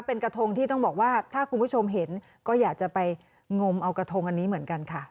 เป็นกระทงที่ต้องบอกว่าถ้าคุณผู้ชมเห็นก็อยากจะไปงมเอากระทงอันนี้เหมือนกันค่ะ